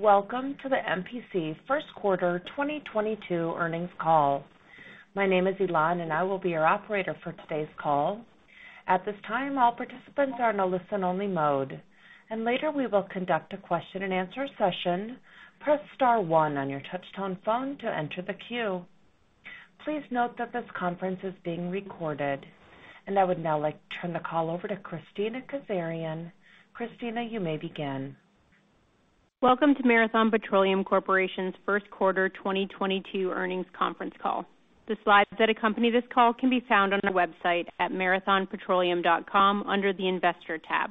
Welcome to the MPC first quarter 2022 earnings call. My name is Elan, and I will be your operator for today's call. At this time, all participants are in a listen-only mode, and later we will conduct a question-and-answer session. Press star one on your touchtone phone to enter the queue. Please note that this conference is being recorded. I would now like to turn the call over to Kristina Kazarian. Kristina, you may begin. Welcome to Marathon Petroleum Corporation's first quarter 2022 earnings conference call. The slides that accompany this call can be found on our website, at marathonpetroleum.com under the Investor tab.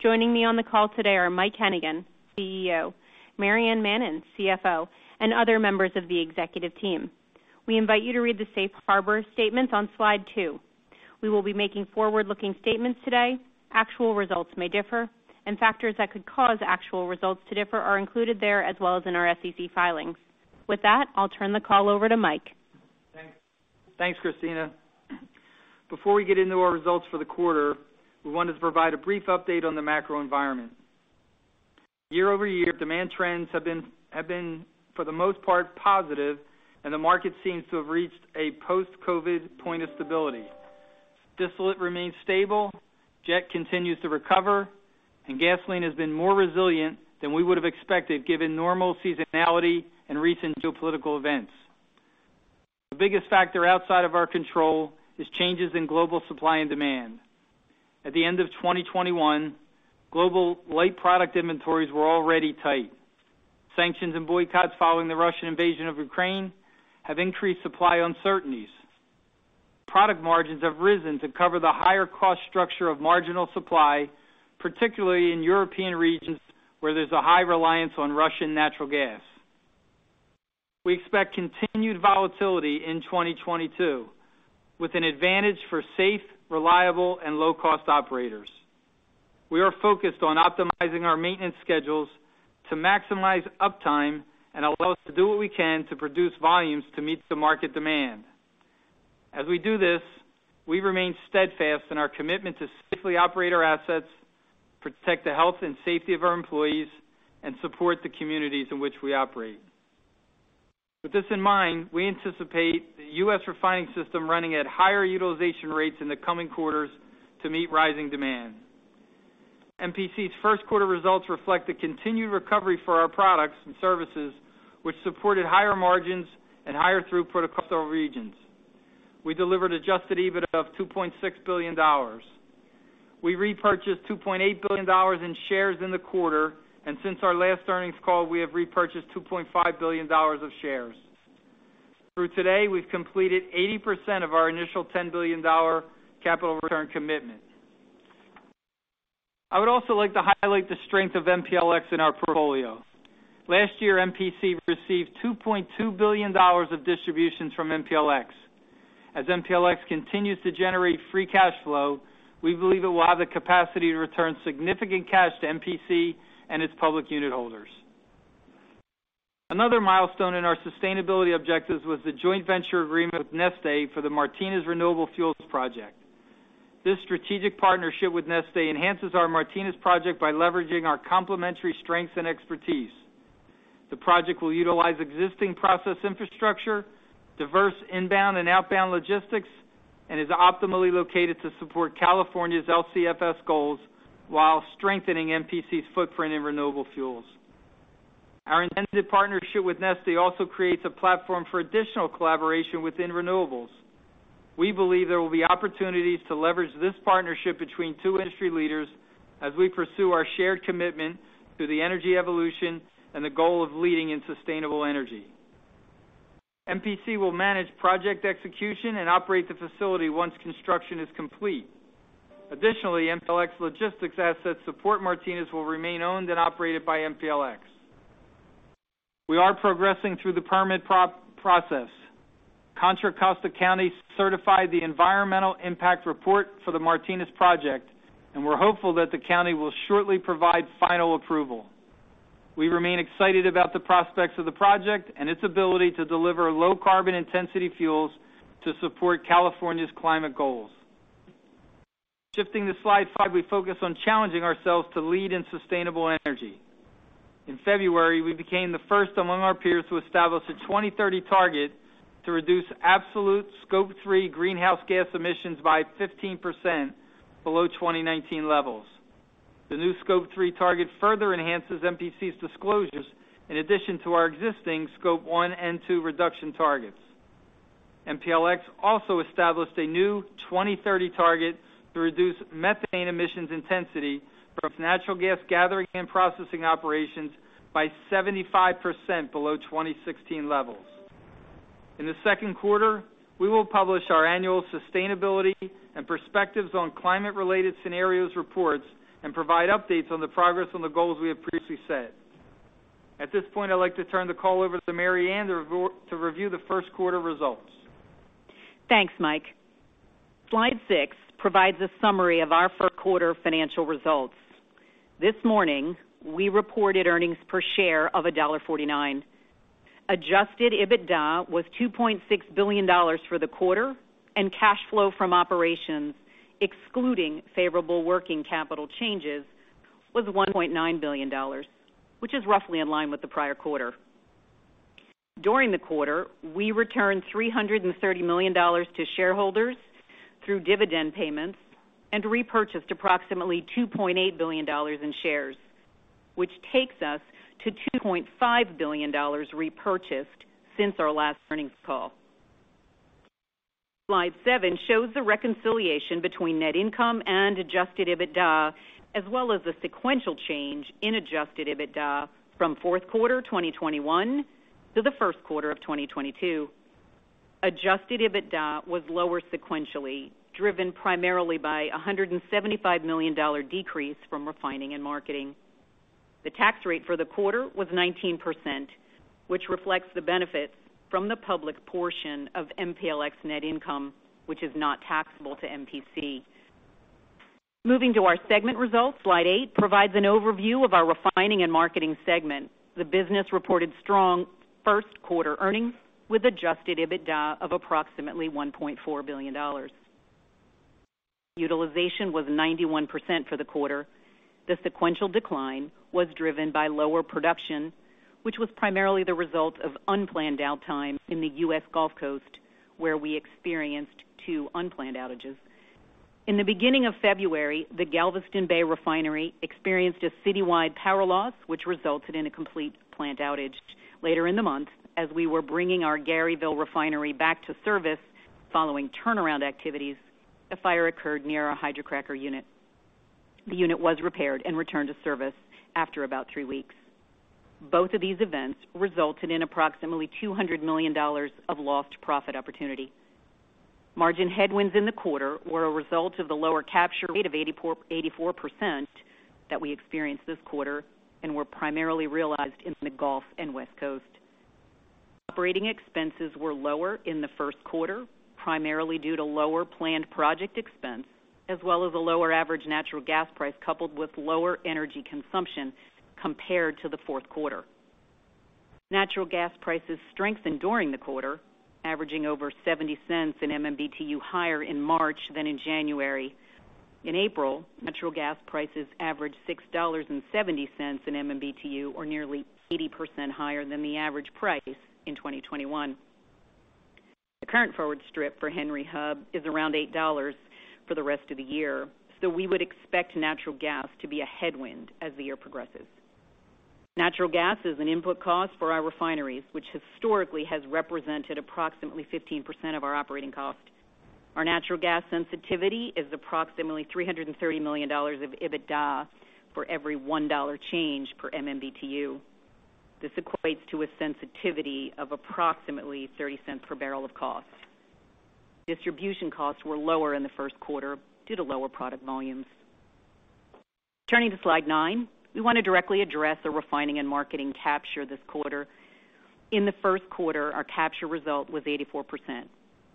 Joining me on the call today are, Mike Hennigan, CEO, Maryann Mannen, CFO, and other members of the executive team. We invite you to read the safe harbor statements on slide two. We will be making forward-looking statements today. Actual results may differ, and factors that could cause actual results to differ are included there, as well as in our SEC filings. With that, I'll turn the call over to Mike. Thanks. Thanks, Kristina. Before we get into our results for the quarter, we wanted to provide a brief update on the macro environment. Year-over-year, demand trends have been for the most part positive, and the market seems to have reached a post-COVID point of stability. Distillate remains stable, jet continues to recover, and gasoline has been more resilient than we would have expected, given normal seasonality and recent geopolitical events. The biggest factor outside of our control, is changes in global supply and demand. At the end of 2021, global light product inventories were already tight. Sanctions and boycotts following the Russian invasion of Ukraine have increased supply uncertainties. Product margins have risen to cover the higher cost structure of marginal supply, particularly in European regions where there's a high reliance on Russian natural gas. We expect continued volatility in 2022, with an advantage for safe, reliable, and low-cost operators. We are focused on optimizing our maintenance schedules, to maximize uptime and allow us to do what we can to produce volumes to meet the market demand. As we do this, we remain steadfast in our commitment to safely operate our assets, protect the health and safety of our employees, and support the communities in which we operate. With this in mind, we anticipate the U.S. refining system running at higher utilization rates in the coming quarters to meet rising demand. MPC's first quarter results reflect the continued recovery for our products and services, which supported higher margins, and higher throughput across our regions. We delivered adjusted EBITDA of $2.6 billion. We repurchased $2.8 billion in shares in the quarter, and since our last earnings call, we have repurchased $2.5 billion of shares. Through today, we've completed 80% of our initial $10 billion capital return commitment. I would also like to highlight the strength of MPLX in our portfolio. Last year, MPC received $2.2 billion of distributions from MPLX. As MPLX continues to generate free cash flow, we believe it will have the capacity to return significant cash to MPC and its public unit holders. Another milestone in our sustainability objectives, was the joint venture agreement with Neste for the Martinez Renewable Fuels project. This strategic partnership with Neste enhances our Martinez project by leveraging our complementary strengths and expertise. The project will utilize existing process infrastructure, diverse inbound and outbound logistics, and is optimally located to support California's LCFS goals while strengthening MPC's footprint in renewable fuels. Our intended partnership with Neste also creates a platform for additional collaboration within renewables. We believe there will be opportunities to leverage this partnership between two industry leaders as we pursue our shared commitment to the energy evolution and the goal of leading in sustainable energy. MPC will manage project execution and operate the facility once construction is complete. Additionally, MPLX logistics assets supporting Martinez will remain owned and operated by MPLX. We are progressing through the permit process. Contra Costa County certified the environmental impact report for the Martinez project, and we're hopeful that the county will shortly provide final approval. We remain excited about the prospects of the project, and its ability to deliver low carbon intensity fuels to support California's climate goals. Shifting to Slide 5, we focus on challenging ourselves to lead in sustainable energy. In February, we became the first among our peers to establish a 2030 target, to reduce absolute scope three greenhouse gas emissions by 15% below 2019 levels. The new scope three target further enhances MPC's disclosures in addition to our existing scope one, and two reduction targets. MPLX also established a new 2030 target to reduce methane emissions intensity from its natural gas gathering and processing operations by 75% below 2016 levels. In the second quarter, we will publish our annual sustainability and perspectives on climate-related scenarios reports and provide updates on the progress on the goals we have previously set. At this point, I'd like to turn the call over to Maryann to review the first quarter results. Thanks, Mike. Slide 6 provides a summary of our first quarter financial results. This morning, we reported earnings per share of $1.49. Adjusted EBITDA was $2.6 billion for the quarter and cash flow from operations, excluding favorable working capital changes, was $1.9 billion, which is roughly in line with the prior quarter. During the quarter, we returned $330 million to shareholders, through dividend payments and repurchased approximately $2.8 billion in shares, which takes us to $2.5 billion repurchased since our last earnings call. Slide seven shows the reconciliation between net income and adjusted EBITDA, as well as the sequential change in adjusted EBITDA from fourth quarter 2021 to the first quarter of 2022. Adjusted EBITDA was lower sequentially, driven primarily by a $175 million decrease from refining and marketing. The tax rate for the quarter was 19%, which reflects the benefits from the public portion of MPLX net income, which is not taxable to MPC. Moving to our segment results. Slide eight provides an overview of our refining and marketing segment. The business reported strong first quarter earnings with adjusted EBITDA of approximately $1.4 billion. Utilization was 91% for the quarter. The sequential decline was driven by lower production, which was primarily the result of unplanned downtime in the U.S. Gulf Coast, where we experienced two unplanned outages. In the beginning of February, the Galveston Bay Refinery experienced a citywide power loss, which resulted in a complete plant outage. Later in the month, as we were bringing our Garyville Refinery back to service, following turnaround activities, a fire occurred near our hydrocracker unit. The unit was repaired and returned to service after about three weeks. Both of these events resulted in approximately $200 million of lost profit opportunity. Margin headwinds in the quarter were a result of the lower capture rate of 84% that we experienced this quarter and were primarily realized in the Gulf and West Coast. Operating expenses were lower in the first quarter, primarily due to lower planned project expense, as well as a lower average natural gas price coupled with lower energy consumption compared to the fourth quarter. Natural gas prices strengthened during the quarter, averaging over $0.70/MMBtu higher in March than in January. In April, natural gas prices averaged $6.70/MMBtu, or nearly 80% higher than the average price in 2021. The current forward strip for Henry Hub, is around $8 for the rest of the year, so we would expect natural gas to be a headwind as the year progresses. Natural gas, is an input cost for our refineries, which historically has represented approximately 15% of our operating cost. Our natural gas sensitivity, is approximately $330 million of EBITDA for every $1 change per MMBtu. This equates to a sensitivity of approximately $0.30 per barrel of cost. Distribution costs were lower in the first quarter due to lower product volumes. Turning to slide nine, we want to directly address the refining and marketing capture this quarter. In the first quarter, our capture result was 84%.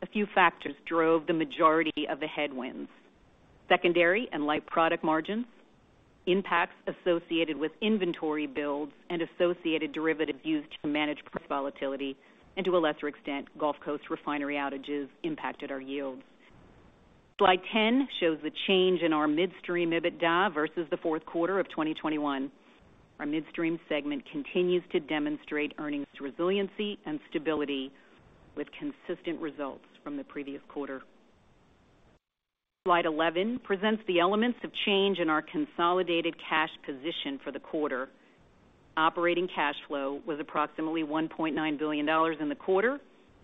A few factors drove the majority of the headwinds. Secondary and light product margins, impacts associated with inventory builds, and associated derivatives used to manage price volatility, and to a lesser extent, Gulf Coast refinery outages impacted our yields. Slide 10 shows the change in our midstream EBITDA versus the fourth quarter of 2021. Our midstream segment continues to demonstrate earnings resiliency and stability with consistent results from the previous quarter. Slide 11 presents the elements of change in our consolidated cash position for the quarter. Operating cash flow was approximately $1.9 billion in the quarter,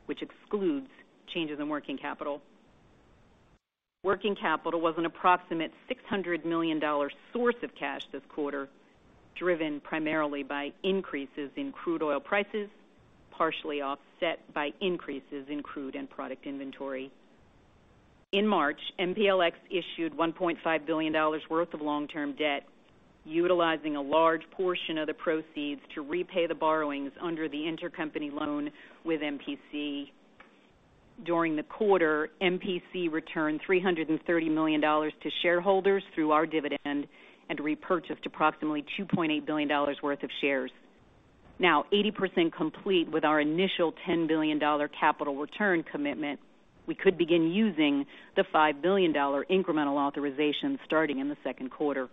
which excludes, changes in working capital. Working capital was an approximate $600 million source of cash this quarter, driven primarily by increases in crude oil prices, partially offset by increases in crude and product inventory. In March, MPLX issued $1.5 billion worth of long-term debt, utilizing a large portion of the proceeds to repay the borrowings under the intercompany loan with MPC. During the quarter, MPC returned $330 million to shareholders through our dividend, and repurchased approximately $2.8 billion worth of shares. Now 80% complete with our initial $10 billion capital return commitment, we could begin using the $5 billion incremental authorization starting in the second quarter.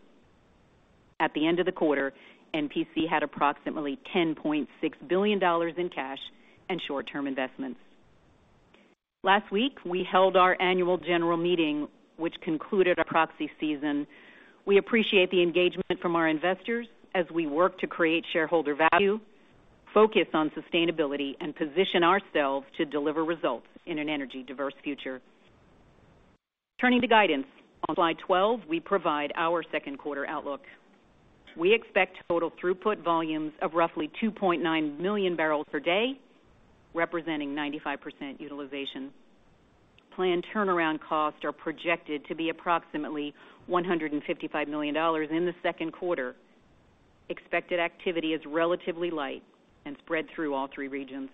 At the end of the quarter, MPC had approximately $10.6 billion in cash and short-term investments. Last week, we held our annual general meeting, which concluded our proxy season. We appreciate the engagement from our investors as we work to create shareholder value, focus on sustainability, and position ourselves to deliver results in an energy-diverse future. Turning to guidance on slide 12, we provide our second quarter outlook. We expect total throughput volumes of roughly 2.9 million barrels per day, representing 95% utilization. Planned turnaround costs are projected to be approximately $155 million in the second quarter. Expected activity is relatively light, and spread through all three regions.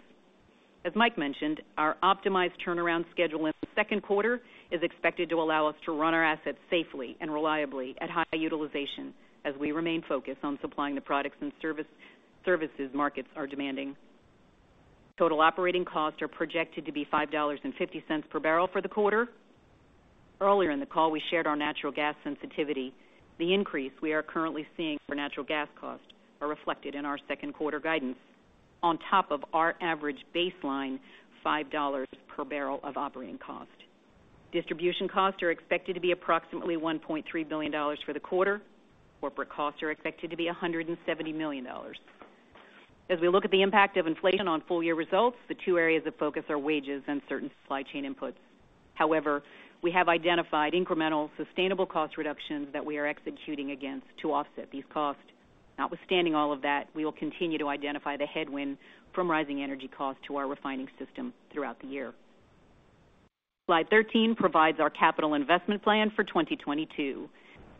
As Mike mentioned, our optimized turnaround schedule in the second quarter is expected to allow us to run our assets safely and reliably at high utilization as we remain focused on supplying the products and services markets are demanding. Total operating costs are projected to be $5.50 per barrel for the quarter. Earlier in the call, we shared our natural gas sensitivity. The increase we are currently seeing for natural gas costs are reflected in our second quarter guidance on top of our average baseline $5 per barrel of operating cost. Distribution costs are expected to be approximately $1.3 billion for the quarter. Corporate costs are expected to be $170 million. As we look at the impact of inflation on full year results, the two areas of focus are wages and certain supply chain inputs. However, we have identified incremental sustainable cost reductions, that we are executing against to offset these costs. Notwithstanding all of that, we will continue to identify the headwind from rising energy costs to our refining system throughout the year. Slide 13 provides our capital investment plan for 2022.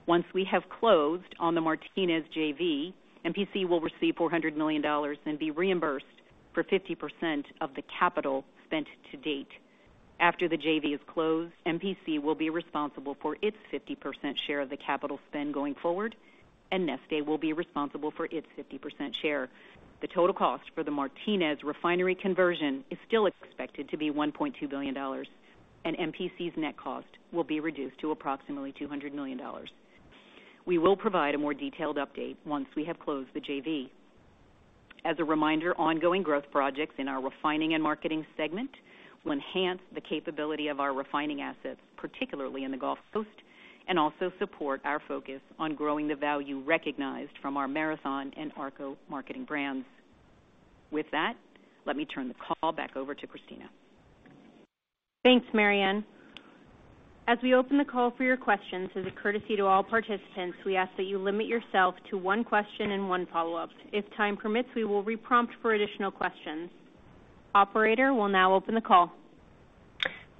Once we have closed on the Martinez JV, MPC will receive $400 million and be reimbursed for 50% of the capital spent to date. After the JV is closed, MPC will be responsible for its 50% share of the capital spend going forward, and Neste will be responsible for its 50% share. The total cost for the Martinez refinery conversion is still expected to be $1.2 billion, and MPC's net cost will be reduced to approximately $200 million. We will provide a more detailed update once we have closed the JV. As a reminder, ongoing growth projects in our refining and marketing segment will enhance the capability of our refining assets, particularly in the Gulf Coast, and also support our focus on growing the value recognized from our Marathon and ARCO marketing brands. With that, let me turn the call back over to Kristina. Thanks, Maryann. As we open the call for your questions, as a courtesy to all participants, we ask that you limit yourself to one question and one follow-up. If time permits, we will re-prompt for additional questions. Operator, we'll now open the call.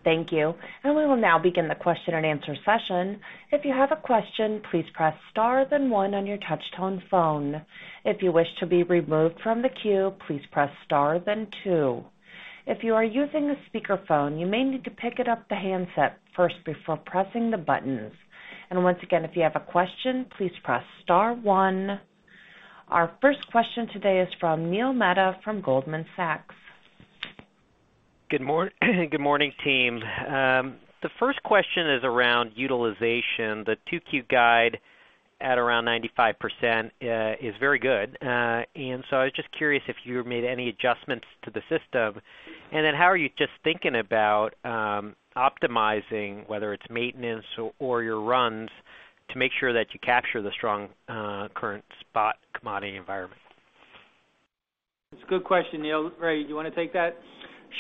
Thank you. We will now begin the question and answer session. If you have a question, please press star then one on your touch tone phone. If you wish to be removed from the queue, please press star then two. If you are using a speakerphone, you may need to pick up the handset first before pressing the buttons. Once again, if you have a question, please press star one. Our first question today is from Neil Mehta from Goldman Sachs. Good morning, team. The first question is around utilization. The 2Q guide at around 95% is very good. I was just curious if you made any adjustments to the system. How are you just thinking about optimizing whether it's maintenance or your runs to make sure that you capture the strong current spot commodity environment? It's a good question, Neil. Ray, do you wanna take that?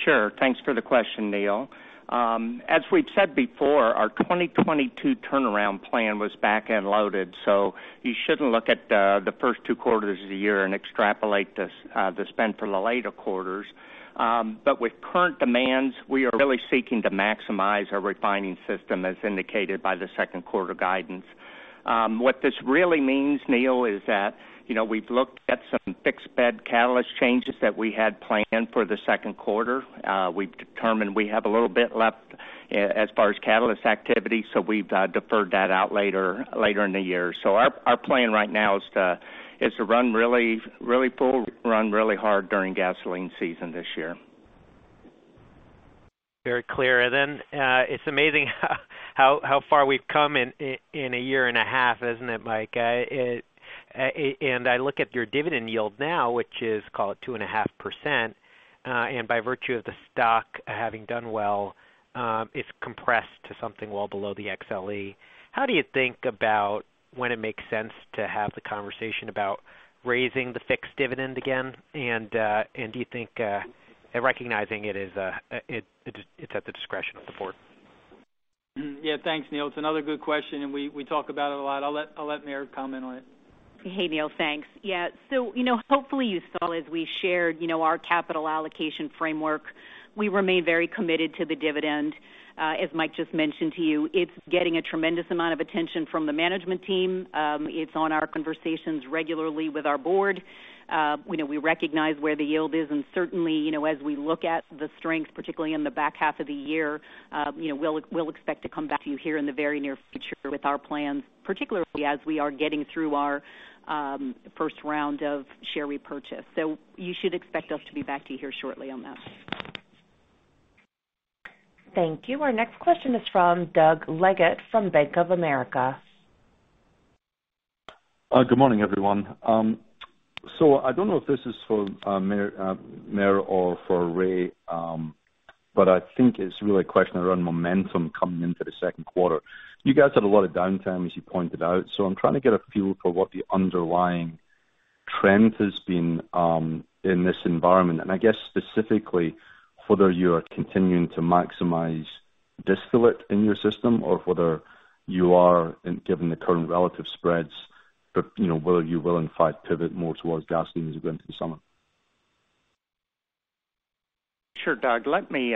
Sure. Thanks for the question, Neil. As we've said before, our 2022 turnaround plan was back-end loaded, so you shouldn't look at the first two quarters of the year and extrapolate this, the spend for the later quarters. But with current demands, we are really seeking to maximize our refining system, as indicated by the second quarter guidance. What this really means, Neil, is that, you know, we've looked at some fixed bed catalyst changes that we had planned for the second quarter. We've determined we have a little bit left as far as catalyst activity, so we've deferred that out later in the year. Our plan right now is to run really full, run really hard during gasoline season this year. Very clear. It's amazing how far we've come in a year and a half, isn't it, Mike? I look at your dividend yield now, which is, call it two and a half percent, and by virtue of the stock having done well, it's compressed to something well below the XLE. How do you think about when it makes sense to have the conversation about raising the fixed dividend again? Do you think, recognizing it is, it's at the discretion of the board? Yeah. Thanks, Neil. It's another good question, and we talk about it a lot. I'll let Mer comment on it. Hey, Neil. Thanks. Yeah. So, you know, hopefully you saw as we shared, you know, our capital allocation framework, we remain very committed to the dividend. As Mike just mentioned to you, it's getting a tremendous amount of attention from the management team. It's on our conversations regularly with our board. We know, we recognize where the yield is, and certainly, you know, as we look at the strength, particularly in the back half of the year, you know, we'll expect to come back to you here in the very near future with our plans, particularly as we are getting through our first round of share repurchase. You should expect us to be back to you here shortly on that. Thank you. Our next question is from Doug Leggate from Bank of America. Good morning, everyone. So I don't know if this is for Mer or for Ray, but I think it's really a question around momentum coming into the second quarter. You guys had a lot of downtime, as you pointed out, so I'm trying to get a feel for what the underlying trend has been in this environment. I guess specifically whether you are continuing to maximize distillate in your system or, given the current relative spreads, but you know whether you will in fact pivot more towards gasoline as you go into the summer? Sure, Doug, let me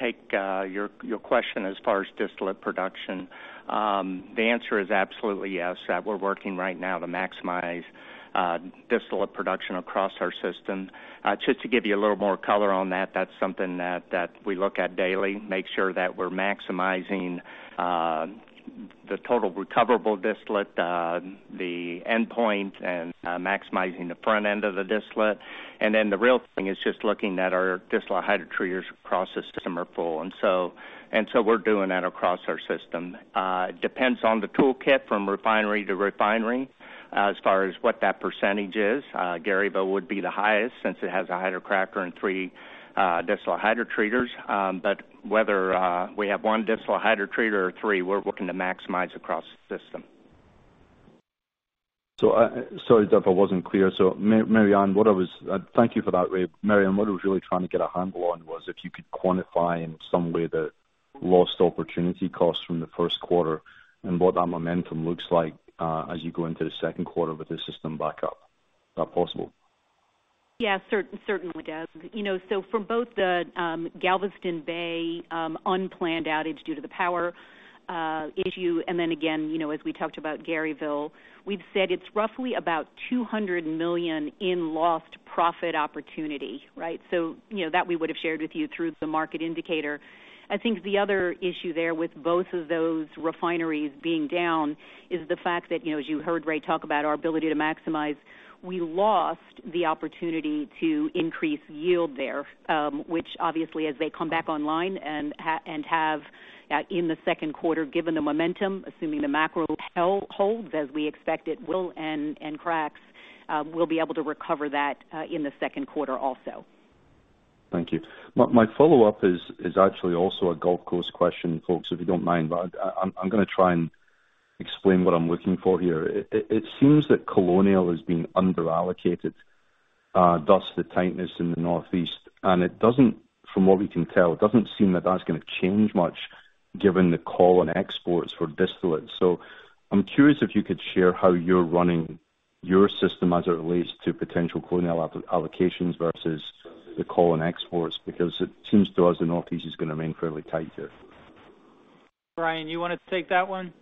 take your question as far as distillate production. The answer is absolutely yes, that we're working right now to maximize distillate production across our system. Just to give you a little more color on that's something that we look at daily, make sure that we're maximizing the total recoverable distillate, the endpoint and maximizing the front end of the distillate. The real thing is just looking at our distillate hydrotreaters across the system are full. We're doing that across our system. It depends on the toolkit from refinery to refinery as far as what that percentage is. Garyville would be the highest since it has a hydrocracker and 3 distillate hydrotreaters. Whether we have one distillate hydrotreater or three, we're looking to maximize across the system. Sorry if I wasn't clear. Thank you for that, Ray. Maryann Mannen, what I was really trying to get a handle on was if you could quantify in some way the lost opportunity costs from the first quarter and what that momentum looks like as you go into the second quarter with the system back up. Is that possible? Yeah, certainly, Doug. You know, for both the Galveston Bay unplanned outage due to the power issue, and then again, you know, as we talked about Garyville, we've said it's roughly about $200 million in lost profit opportunity, right? You know, that we would have shared with you through the market indicator. I think the other issue there with both of those refineries being down is the fact that, you know, as you heard Ray talk about our ability to maximize, we lost the opportunity to increase yield there, which obviously, as they come back online and have in the second quarter, given the momentum, assuming the macro holds as we expect it will and cracks, we'll be able to recover that in the second quarter also. Thank you. My follow-up is actually also a Gulf Coast question, folks, if you don't mind, but I'm gonna try and explain what I'm looking for here. It seems that Colonial is being underallocated, thus the tightness in the Northeast. From what we can tell, it doesn't seem that that's gonna change much given the call on exports for distillate. I'm curious if you could share how you're running your system as it relates to potential Colonial allocations versus the call on exports, because it seems to us the Northeast is gonna remain fairly tight here. Brian, you wanna take that one?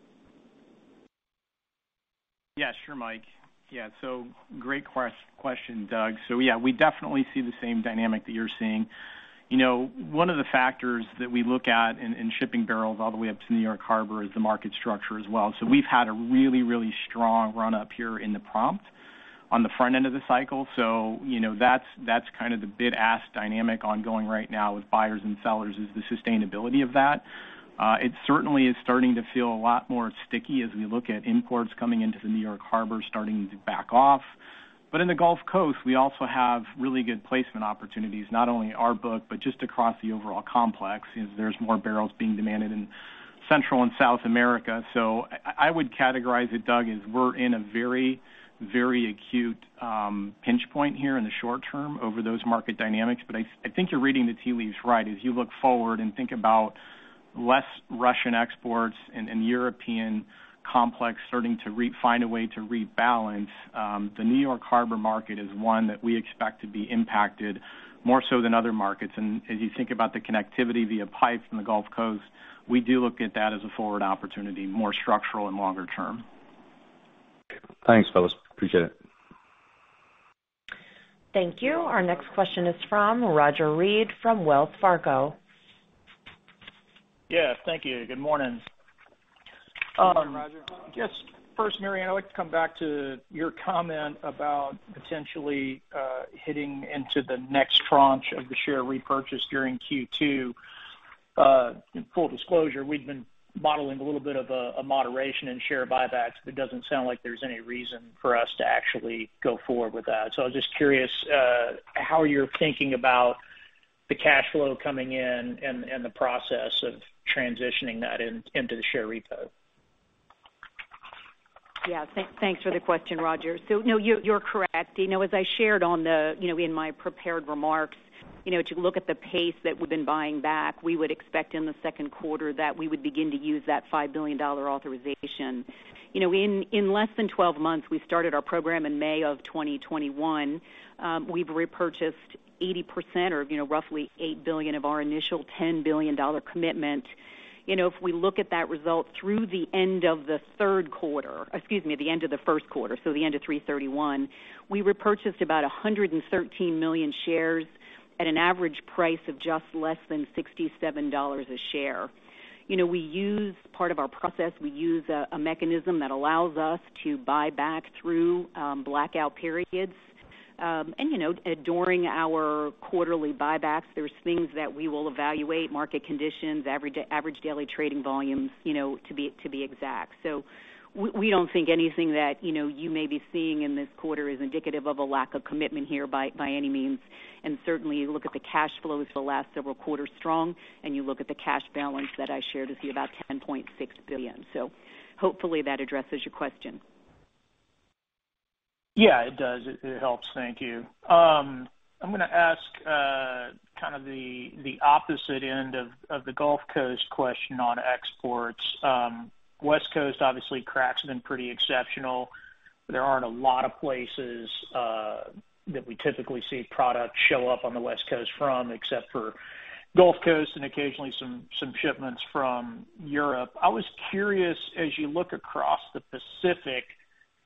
Yeah, sure, Mike. Yeah. Great question, Doug. Yeah, we definitely see the same dynamic that you're seeing. You know, one of the factors that we look at in shipping barrels all the way up to New York Harbor is the market structure as well. We've had a really strong run-up here in the prompt on the front end of the cycle. You know, that's kind of the bid ask dynamic ongoing right now with buyers and sellers is the sustainability of that. It certainly is starting to feel a lot more sticky as we look at imports coming into the New York Harbor starting to back off. In the Gulf Coast, we also have really good placement opportunities, not only our book, but just across the overall complex as there's more barrels being demanded in Central and South America. I would categorize it, Doug, as we're in a very, very acute pinch point here in the short term over those market dynamics. I think you're reading the tea leaves right. As you look forward and think about less Russian exports and European complex starting to find a way to rebalance, the New York Harbor market is one that we expect to be impacted more so than other markets. As you think about the connectivity via pipes from the Gulf Coast, we do look at that as a forward opportunity, more structural and longer term. Thanks, fellas. Appreciate it. Thank you. Our next question is from Roger Read from Wells Fargo. Yeah. Thank you. Good morning. Good morning, Roger. Just first, Maryann Mannen, I'd like to come back to your comment about potentially hitting into the next tranche of the share repurchase during Q2. Full disclosure, we've been modeling a little bit of a moderation in share buybacks, but it doesn't sound like there's any reason for us to actually go forward with that. I was just curious how you're thinking about the cash flow coming in and the process of transitioning that into the share repo. Yeah. Thanks for the question, Roger. No, you're correct. You know, as I shared in my prepared remarks, you know, to look at the pace that we've been buying back, we would expect in the second quarter that we would begin to use that $5 billion authorization. You know, in less than 12 months, we started our program in May 2021. We've repurchased 80% or, you know, roughly $8 billion of our initial $10 billion commitment. You know, if we look at that result through the end of the third quarter, excuse me, the end of the first quarter, so the end of 3/31, we repurchased about 113 million shares at an average price of just less than $67 a share. You know, part of our process, we use a mechanism that allows us to buy back through blackout periods. You know, during our quarterly buybacks, there are things that we will evaluate, market conditions every day, average daily trading volumes, you know, to be exact. We don't think anything that, you know, you may be seeing in this quarter is indicative of a lack of commitment here by any means. Certainly, you look at the cash flows for the last several quarters strong, and you look at the cash balance that I shared with you, about $10.6 billion. Hopefully that addresses your question. Yeah, it does. It helps. Thank you. I'm gonna ask kind of the opposite end of the Gulf Coast question on exports. West Coast, obviously, crack's been pretty exceptional. There aren't a lot of places that we typically see product show up on the West Coast from, except for Gulf Coast and occasionally some shipments from Europe. I was curious, as you look across the Pacific,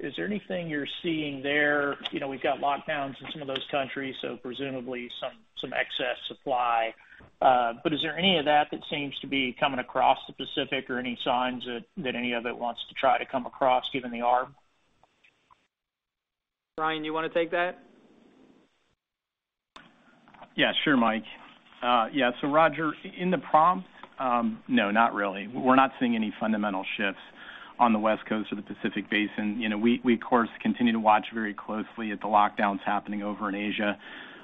is there anything you're seeing there? You know, we've got lockdowns in some of those countries, so presumably some excess supply. But is there any of that that seems to be coming across the Pacific or any signs that any of it wants to try to come across given the ARB? Brian, do you wanna take that? Yeah, sure, Mike. Yeah. Roger, in the prompt, no, not really. We're not seeing any fundamental shifts on the West Coast or the Pacific Basin. You know, we of course continue to watch very closely at the lockdowns happening over in Asia.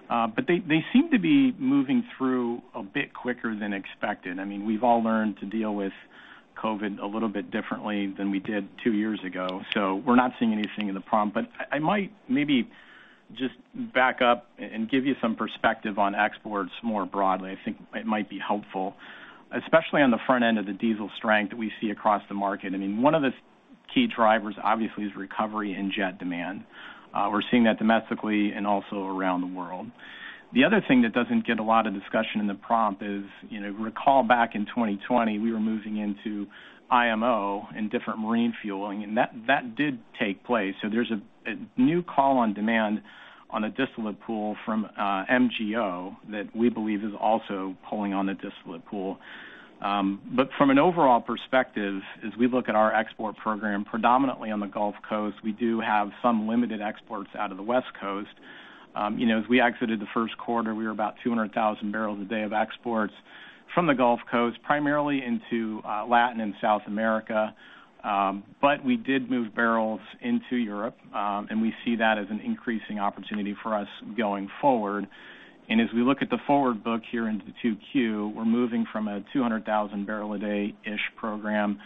They seem to be moving through a bit quicker than expected. I mean, we've all learned to deal with COVID a little bit differently than we did two years ago. We're not seeing anything in the prompt. I might maybe just back up and give you some perspective on exports more broadly. I think it might be helpful, especially on the front end of the diesel strength that we see across the market. I mean, one of the key drivers, obviously, is recovery in jet demand. We're seeing that domestically and also around the world. The other thing that doesn't get a lot of discussion in the prompt is, you know, recall back in 2020, we were moving into IMO and different marine fueling, and that did take place. There's a new call on demand on a distillate pool from MGO that we believe is also pulling on the distillate pool. From an overall perspective, as we look at our export program predominantly on the Gulf Coast, we do have some limited exports out of the West Coast. You know, as we exited the first quarter, we were about 200,000 barrels a day of exports from the Gulf Coast, primarily into Latin and South America. We did move barrels into Europe, and we see that as an increasing opportunity for us going forward. As we look at the forward book here into 2Q, we're moving from a 200,000 barrels per day-ish program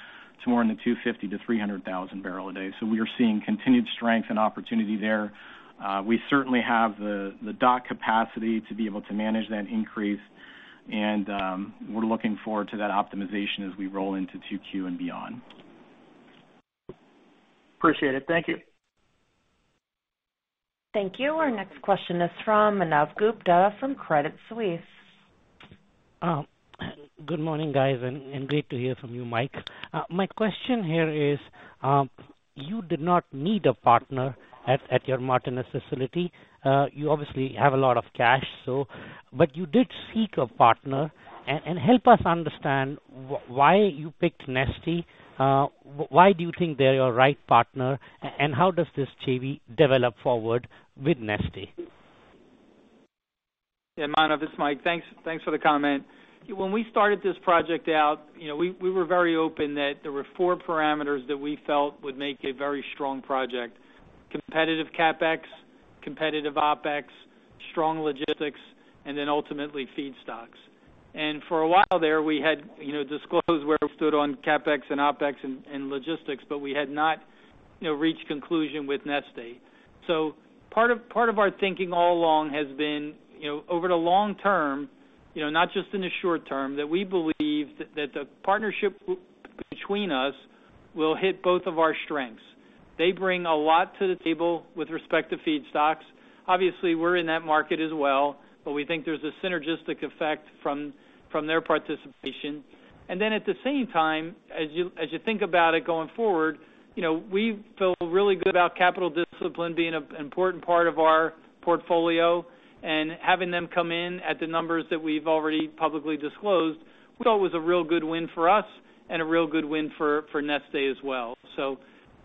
to more in the 250-300,000 barrels per day. We are seeing continued strength and opportunity there. We certainly have the dock capacity to be able to manage that increase, and we're looking forward to that optimization as we roll into 2Q and beyond. Appreciate it. Thank you. Thank you. Our next question is from Manav Gupta from Credit Suisse. Good morning, guys, and great to hear from you, Mike. My question here is, you did not need a partner at your Martinez facility. You obviously have a lot of cash, so, but you did seek a partner. Help us understand why you picked Neste? Why do you think they're your right partner? How does this JV develop forward with Neste? Yeah, Manav, this is Mike. Thanks for the comment. When we started this project out, you know, we were very open that there were four parameters that we felt would make a very strong project: competitive CapEx, competitive OpEx, strong logistics, and then ultimately feedstocks. For a while there, we had, you know, disclosed where it stood on CapEx and OpEx and logistics, but we had not, you know, reached conclusion with Neste. Part of our thinking all along has been, you know, over the long term, you know, not just in the short term, that we believe that the partnership between us will hit both of our strengths. They bring a lot to the table with respect to feedstocks. Obviously, we're in that market as well, but we think there's a synergistic effect from their participation. At the same time, as you think about it going forward, you know, we feel really good about capital discipline being an important part of our portfolio, and having them come in at the numbers that we've already publicly disclosed, we thought was a real good win for us and a real good win for Neste as well.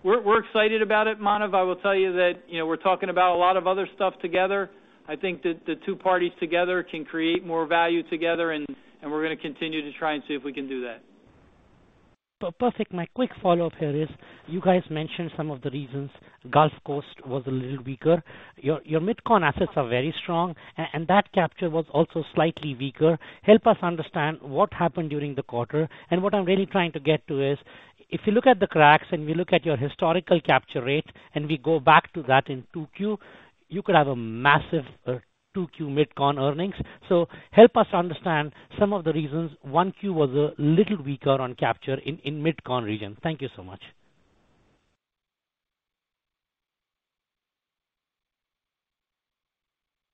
We're excited about it, Manav. I will tell you that, you know, we're talking about a lot of other stuff together. I think that the two parties together can create more value together, and we're gonna continue to try and see if we can do that. Perfect. My quick follow-up here is, you guys mentioned some of the reasons Gulf Coast was a little weaker. Your MidCon assets are very strong and that capture was also slightly weaker. Help us understand, what happened during the quarter? What I'm really trying to get to is, if you look at the cracks and we look at your historical capture rate, and we go back to that in 2Q, you could have a massive 2Q MidCon earnings. Help us understand some of the reasons 1Q was a little weaker on capture in MidCon region. Thank you so much.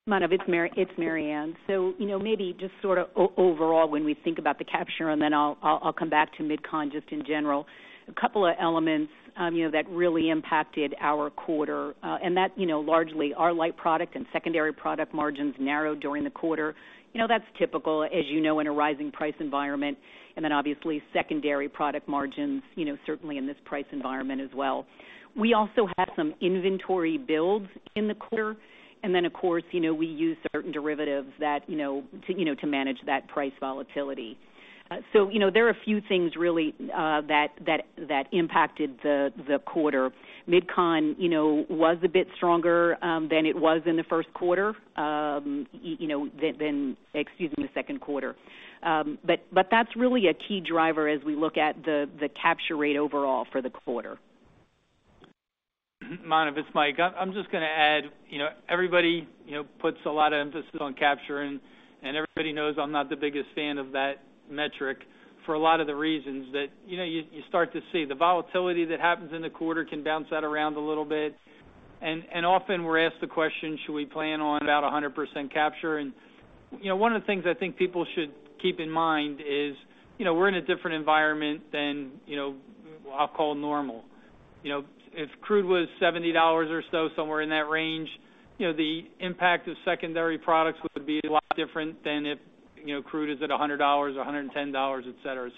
Manav, it's Maryann. You know, maybe just sorta overall when we think about the capture, and then I'll come back to MidCon just in general. A couple of elements, you know, that really impacted our quarter, and that, you know, largely our light product and secondary product margins narrowed during the quarter. You know, that's typical, as you know, in a rising price environment, and then obviously secondary product margins, you know, certainly in this price environment as well. We also had some inventory builds in the quarter. Of course, you know, we use certain derivatives that to manage that price volatility. You know, there are a few things really that impacted the quarter. MidCon was a bit stronger than it was in the first quarter. You know, excuse me, the second quarter. That's really a key driver as we look at the capture rate overall for the quarter. Manav, it's Mike. I'm just gonna add, you know, everybody, you know, puts a lot of emphasis on capture, and everybody knows I'm not the biggest fan of that metric for a lot of the reasons that, you know, you start to see the volatility that happens in the quarter can bounce that around a little bit. Often we're asked the question, should we plan on about 100% capture? You know, one of the things I think people should keep in mind is, you know, we're in a different environment than, you know, I'll call normal. You know, if crude was $70 or so, somewhere in that range, you know, the impact of secondary products would be a lot different than if, you know, crude is at $100 or $110, et cetera.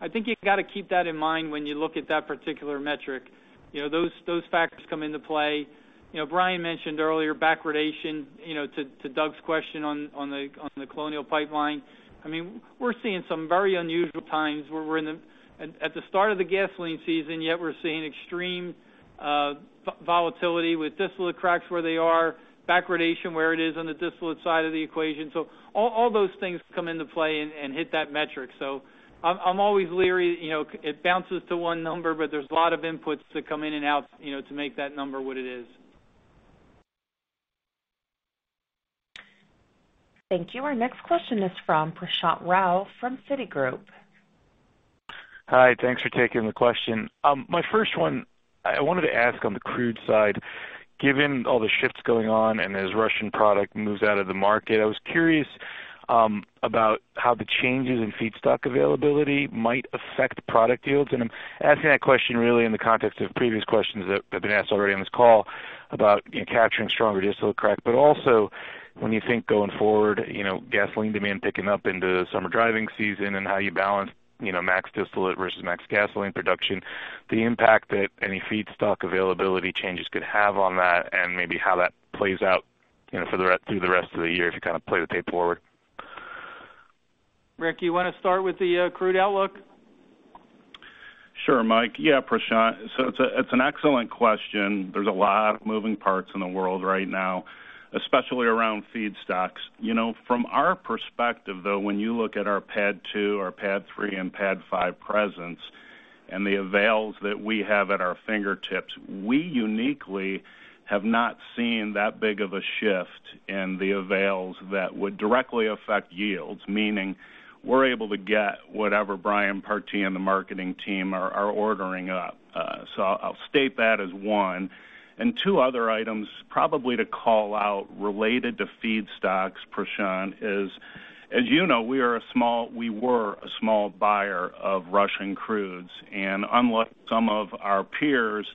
I think you've gotta keep that in mind when you look at that particular metric. You know, those factors come into play. You know, Brian mentioned earlier backwardation, you know, to Doug's question on the Colonial Pipeline. I mean, we're seeing some very unusual times where we're at the start of the gasoline season, yet we're seeing extreme volatility with distillate cracks where they are, backwardation where it is on the distillate side of the equation. All those things come into play and hit that metric. I'm always leery, you know, it bounces to one number, but there's a lot of inputs that come in and out, you know, to make that number what it is. Thank you. Our next question is from Prashant Rao from Citigroup. Hi, thanks for taking the question. My first one, I wanted to ask on the crude side, given all the shifts going on and as Russian product moves out of the market, I was curious about how the changes in feedstock availability might affect product yields? I'm asking that question really in the context of previous questions that have been asked already on this call about, you know, capturing stronger distillate crack. Also when you think going forward, you know, gasoline demand picking up into summer driving season and how you balance, you know, max distillate versus max gasoline production, the impact that any feedstock availability changes could have on that, and maybe how that plays out, you know, through the rest of the year, if you kind of play the tape forward? Rick, you wanna start with the crude outlook? Sure, Mike. Yeah, Prashant. It's an excellent question. There's a lot of moving parts in the world right now, especially around feedstocks. You know, from our perspective, though, when you look at our Pad Two, our Pad Three, and Pad Five presence and the avails that we have at our fingertips, we uniquely have not seen that big of a shift in the avails that would directly affect yields, meaning we're able to get whatever Brian Partee and the marketing team are ordering up. So I'll state that as one. Two other items probably to call out related to feedstocks, Prashant, is, as you know, we were a small buyer of Russian crudes. Unlike some of our peers,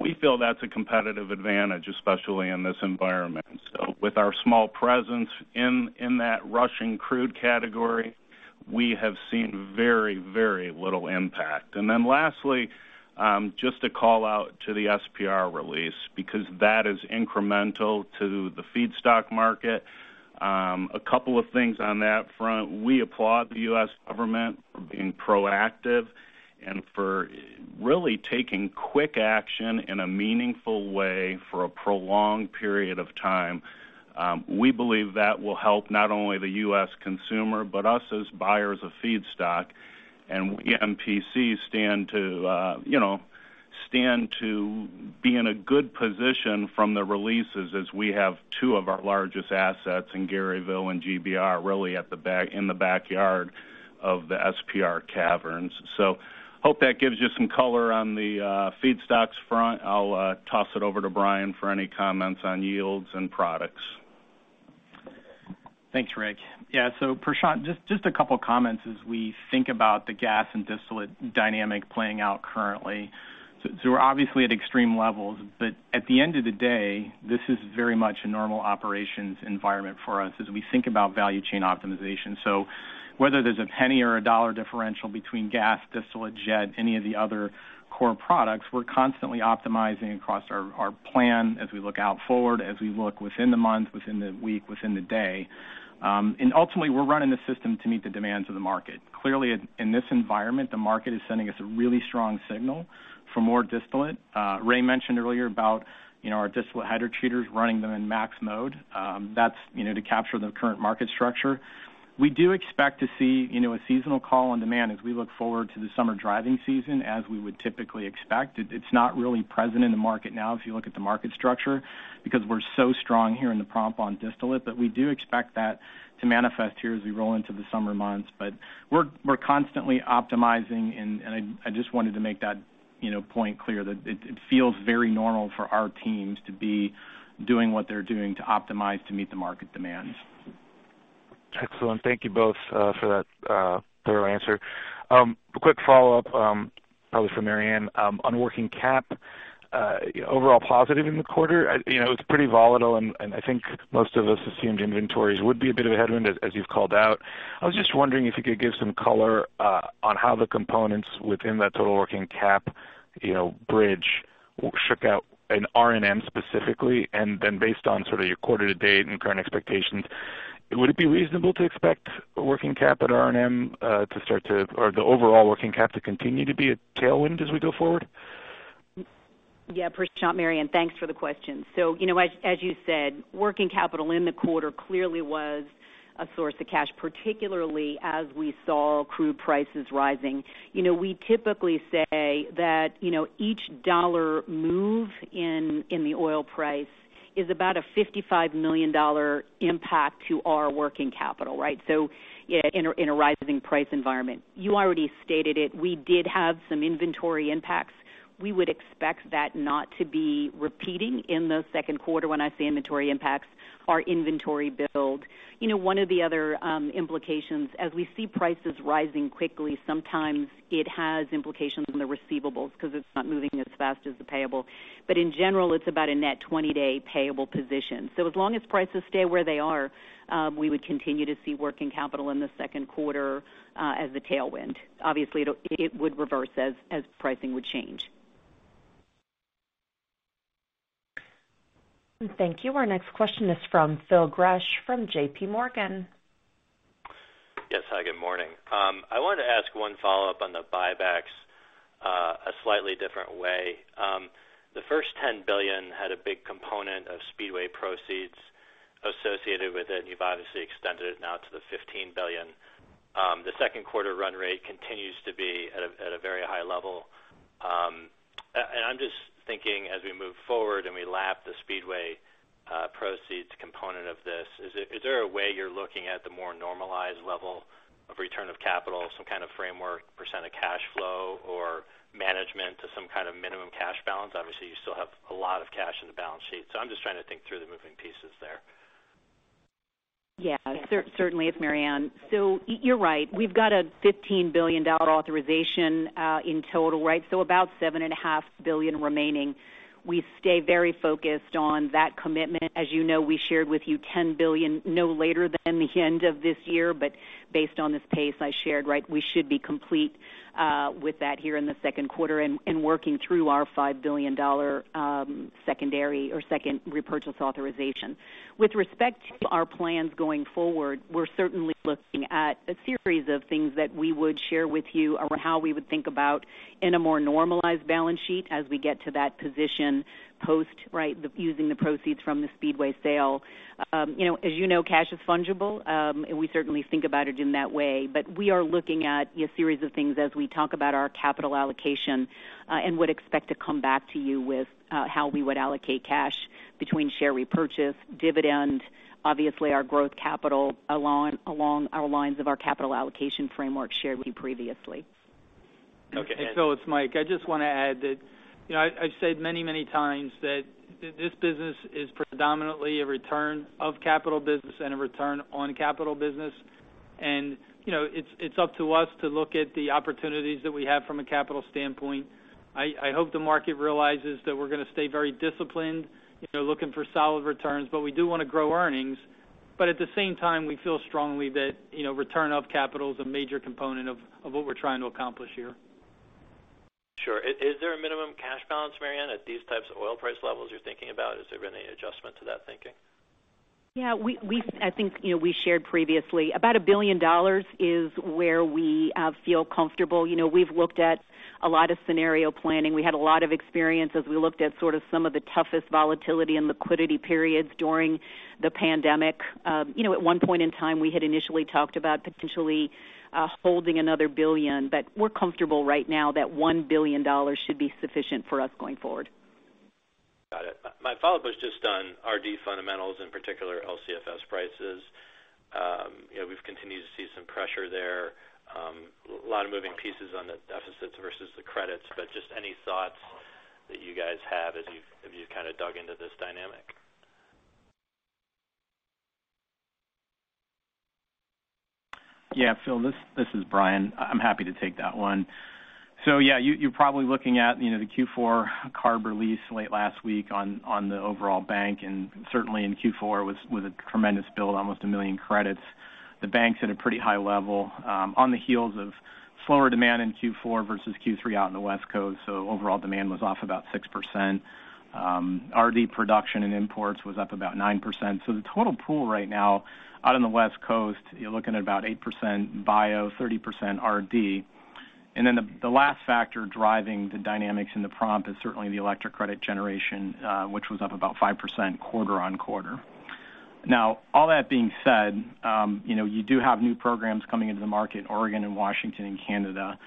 we feel that's a competitive advantage, especially in this environment. With our small presence in that Russian crude category, we have seen very little impact. Then lastly, just to call out to the SPR release because that is incremental to the feedstock market. A couple of things on that front. We applaud the U.S. government for being proactive and for really taking quick action in a meaningful way for a prolonged period of time. We believe that will help not only the U.S. consumer, but us as buyers of feedstock. We at MPC stand to you know be in a good position from the releases as we have two of our largest assets in Garyville and GBR really in the backyard of the SPR caverns. Hope that gives you some color on the feedstocks front. I'll toss it over to Brian for any comments on yields and products. Thanks, Rick. Yeah, Prashant, just a couple comments as we think about the gas and distillate dynamic playing out currently. We're obviously at extreme levels, but at the end of the day, this is very much a normal operations environment for us as we think about value chain optimization. Whether there's a penny or a dollar differential between gas, distillate, jet, any of the other core products, we're constantly optimizing across our plan as we look out forward, as we look within the month, within the week, within the day. Ultimately, we're running the system to meet the demands of the market. Clearly, in this environment, the market is sending us a really strong signal for more distillate. Ray mentioned earlier about, you know, our distillate hydrotreaters running them in max mode, that's, you know, to capture the current market structure. We do expect to see, you know, a seasonal call on demand as we look forward to the summer driving season as we would typically expect. It's not really present in the market now if you look at the market structure because we're so strong here in the prompt on distillate. We do expect that to manifest here as we roll into the summer months. We're constantly optimizing and I just wanted to make that, you know, point clear that it feels very normal for our teams to be doing what they're doing to optimize to meet the market demands. Excellent. Thank you both for that thorough answer. A quick follow-up, probably for Marianne, on working cap, overall positive in the quarter. You know, it's pretty volatile, and I think most of us assumed inventories would be a bit of a headwind as you've called out. I was just wondering if you could give some color on how the components within that total working cap, you know, bridge shook out in R&M specifically? And then based on sort of your quarter to date, and current expectations, would it be reasonable to expect working cap at R&M or the overall working cap to continue to be a tailwind as we go forward? Yeah, Prashant. Maryann. Thanks for the question. You know, as you said, working capital in the quarter clearly was a source of cash, particularly as we saw crude prices rising. You know, we typically say that, you know, each dollar move in the oil price It's about a $55 million impact to our working capital, right? Yeah, in a rising price environment. You already stated it. We did have some inventory impacts. We would expect that not to be repeating in the second quarter. When I say inventory impacts, our inventory build. You know, one of the other implications as we see prices rising quickly, sometimes it has implications on the receivables because it's not moving as fast as the payables. In general, it's about a net 20-day payables position. As long as prices stay where they are, we would continue to see working capital in the second quarter as a tailwind. Obviously, it would reverse as pricing would change. Thank you. Our next question is from Phil Gresh from JPMorgan. Yes, hi, good morning. I wanted to ask one follow-up on the buybacks, a slightly different way. The first $10 billion had a big component of Speedway proceeds associated with it, and you've obviously extended it now to the $15 billion. The second quarter run rate continues to be at a very high level. And I'm just thinking as we move forward and we lap the Speedway proceeds component of this, is there a way you're looking at the more normalized level of return of capital, some kind of framework, percentage of cash flow, or management to some kind of minimum cash balance? Obviously, you still have a lot of cash in the balance sheet. I'm just trying to think through the moving pieces there. Yeah. Certainly. It's Maryann. You're right. We've got a $15 billion authorization in total, right? About $7.5 billion remaining. We stay very focused on that commitment. As you know, we shared with you $10 billion no later than the end of this year. Based on this pace I shared, right, we should be complete with that here in the second quarter and working through our $5 billion secondary or second repurchase authorization. With respect to our plans going forward, we're certainly looking at a series of things that we would share with you around how we would think about in a more normalized balance sheet as we get to that position post, right, the using the proceeds from the Speedway sale. You know, as you know, cash is fungible, and we certainly think about it in that way. We are looking at your series of things as we talk about our capital allocation, and would expect to come back to you with, how we would allocate cash between share repurchase, dividend, obviously our growth capital along our lines of our capital allocation framework shared with you previously. Okay. It's Mike. I just wanna add that, you know, I've said many, many times that this business is predominantly a return of capital business and a return on capital business. You know, it's up to us to look at the opportunities that we have from a capital standpoint. I hope the market realizes that we're gonna stay very disciplined, you know, looking for solid returns, but we do wanna grow earnings. At the same time, we feel strongly that, you know, return of capital is a major component of what we're trying to accomplish here. Sure. Is there a minimum cash balance, Maryann, at these types of oil price levels you're thinking about? Has there been any adjustment to that thinking? Yeah. I think, you know, we shared previously about $1 billion is where we feel comfortable. You know, we've looked at a lot of scenario planning. We had a lot of experience as we looked at sort of some of the toughest volatility and liquidity periods during the pandemic. You know, at one point in time, we had initially talked about potentially holding another $1 billion, but we're comfortable right now that $1 billion should be sufficient for us going forward. Got it. My follow-up was just on RD fundamentals, in particular LCFS prices. You know, we've continued to see some pressure there. Lot of moving pieces on the deficits versus the credits, but just any thoughts that you guys have as you've kind of dug into this dynamic? Phil, this is Brian. I'm happy to take that one. Yeah, you're probably looking at, you know, the Q4 CARB release late last week on the overall bank, and certainly in Q4 with a tremendous build, almost one million credits. The bank's at a pretty high level on the heels of slower demand in Q4 versus Q3 out in the West Coast. Overall demand was off about 6%. RD production and imports was up about 9%. The total pool right now out in the West Coast, you're looking at about 8% bio, 30% RD. The last factor driving the dynamics in the prompt is certainly the electric credit generation, which was up about 5% quarter-over-quarter. Now all that being said, you know, you do have new programs coming into the market, Oregon and Washington and Canada.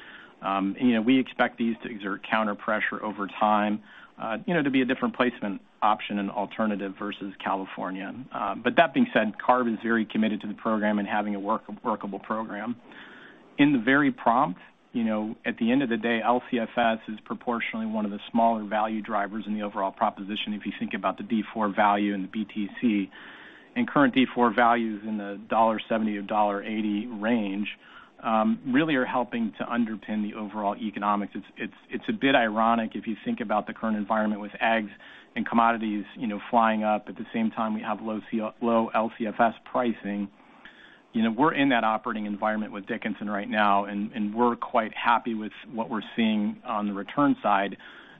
You know, we expect these to exert counter pressure over time, you know, to be a different placement option and alternative versus California. But that being said, CARB is very committed to the program and having a workable program. In the very prompt, you know, at the end of the day, LCFS is proportionally one of the smaller value drivers in the overall proposition if you think about the D4 value and the BTC. Current D4 values in the $70-$80 range really are helping to underpin the overall economics. It's a bit ironic if you think about the current environment with ag and commodities, you know, flying up. At the same time, we have low LCFS pricing. You know, we're in that operating environment with Dickinson right now, and we're quite happy with what we're seeing on the return side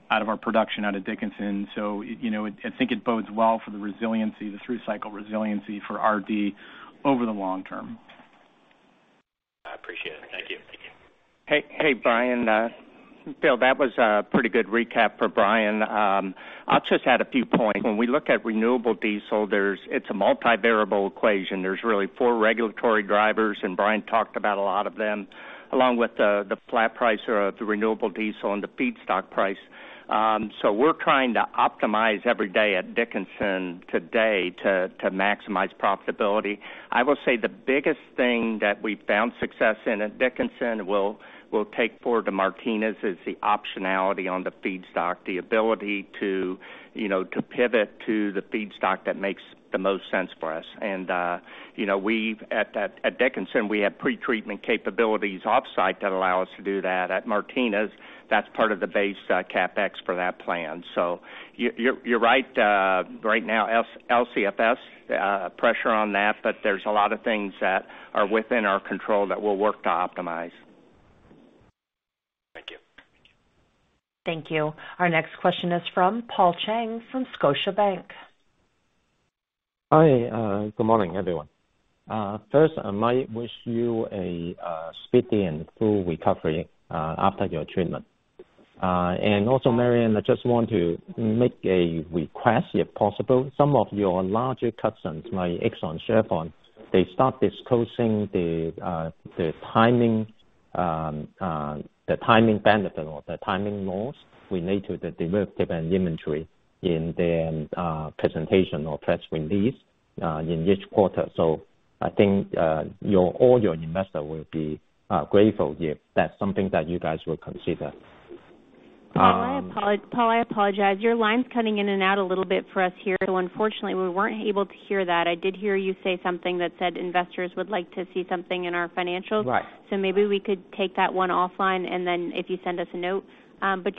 out of our production out of Dickinson. You know, I think it bodes well for the resiliency, the through cycle resiliency for RD over the long term. I appreciate it. Thank you. Thank you. Hey, hey, Brian. Bill, that was a pretty good recap for Brian. I'll just add a few points. When we look at renewable diesel, it's a multi-variable equation. There's really four regulatory drivers, and Brian talked about a lot of them, along with the flat price of the renewable diesel and the feedstock price. We're trying to optimize every day at Dickinson today to maximize profitability. I will say the biggest thing that we found success in at Dickinson, we'll take forward to Martinez is the optionality on the feedstock, the ability to, you know, to pivot to the feedstock that makes the most sense for us. You know, we have pretreatment capabilities at Dickinson off-site that allow us to do that. At Martinez, that's part of the base CapEx for that plant. You're right. Right now, LCFS pressure on that, but there's a lot of things that are within our control that we'll work to optimize. Thank you. Thank you. Our next question is from Paul Cheng from Scotiabank. Hi, good morning, everyone. First, I might wish you a speedy and full recovery after your treatment. Also, Maryann, I just want to make a request, if possible. Some of your larger customers, like ExxonMobil, they start disclosing the timing benefit or the timing loss related to the derivatives and inventory in their presentation or press release in each quarter. I think all your investors will be grateful if that's something that you guys will consider. Paul, I apologize. Your line's cutting in and out a little bit for us here, so unfortunately, we weren't able to hear that. I did hear you say something that said investors would like to see something in our financials. Right. Maybe we could take that one offline, and then if you send us a note.